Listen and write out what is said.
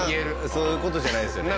そういうのじゃないですね。